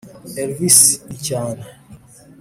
elvis ni cyane